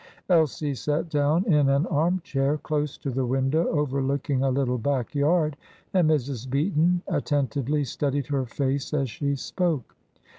Elsie sat down in an arm chair, close to the window overlooking a little back yard, and Mrs. Beaton attentively studied her face as she spoke.